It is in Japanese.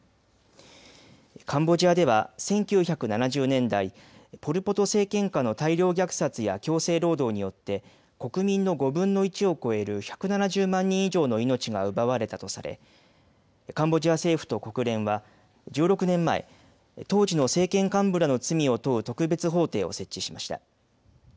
カンボジアでは１９７０年代、ポル・ポト政権下の大量虐殺や強制労働によって国民の５分の１を超える１７０万人以上の命が奪われたとされカンボジア政府と国連は１６年前、当時の政権幹部らの罪を問う特別法廷を設置しました。